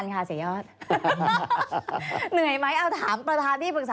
เดี๋ยวกว่ากันค่ะ